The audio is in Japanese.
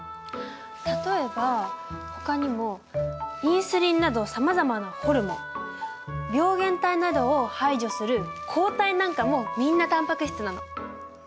例えばほかにもインスリンなどさまざまなホルモン病原体などを排除する抗体なんかもみんなタンパク質なの。